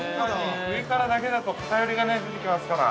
◆上からだけだと偏りができますから。